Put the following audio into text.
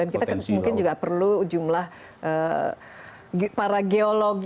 dan kita mungkin juga perlu jumlah para geologi